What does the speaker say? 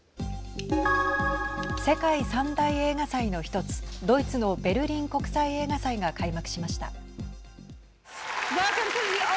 世界３大映画祭の１つドイツのベルリン国際映画祭が開幕しました。